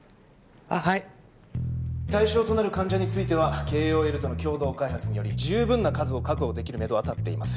あっはい対象となる患者についてはＫＯＬとの共同開発により十分な数を確保できるめどはたっています